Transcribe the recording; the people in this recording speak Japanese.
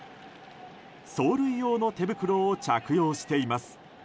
走塁用の手袋を着用しています。